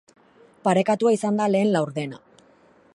Parekatua izan da lehen laurdena.